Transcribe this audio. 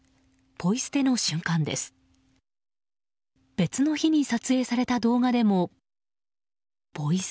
ポイ捨ての瞬間です。